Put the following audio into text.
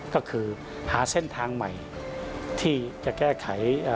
ก็คือหาเส้นทางใหม่ที่จะแก้ไข